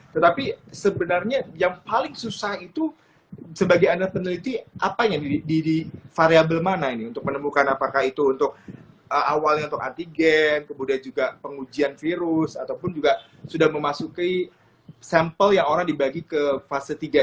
tetapi sebenarnya yang paling susah itu sebagai anda peneliti apanya di variable mana ini untuk menemukan apakah itu untuk awalnya untuk antigen kemudian juga pengujian virus ataupun juga sudah memasuki sampel yang orang dibagi ke fase tiga